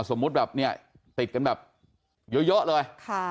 สมมุติแบบเนี่ยติดกันแบบเยอะเลย